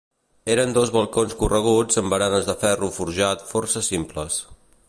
Eren dos balcons correguts amb baranes de ferro forjat força simples.